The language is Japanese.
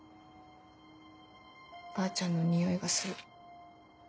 ばあちゃんのニオイがする。